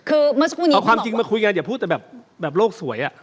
เอาความจริงมาคุยกันอย่าพูดแบบโลกสวย